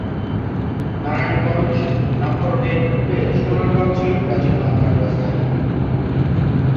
নারায়ণগঞ্জ নামকরণের পূর্বে সোনারগাঁ ছিল প্রাচীন বাংলার রাজধানী।